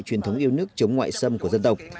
truyền thống yêu nước chống ngoại xâm của dân tộc